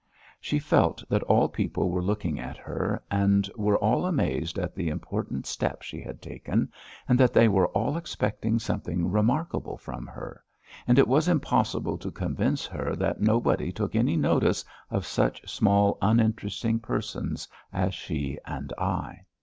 She felt that all the people were looking at her and were all amazed at the important step she had taken and that they were all expecting something remarkable from her, and it was impossible to convince her that nobody took any notice of such small uninteresting persons as she and I.